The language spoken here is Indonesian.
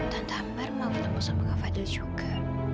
tante amar mau ketemu kak fadil juga